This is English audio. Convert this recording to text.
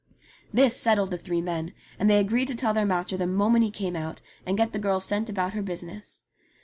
This settled the three men, and they agreed to tell their master the moment he came out, and get the girl sent about her business.